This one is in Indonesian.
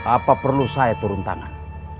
apa perlu saya turun tangan